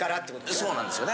そうなんですよね。